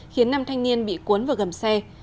khiến năm thanh niên bị cuốn vào gầm xe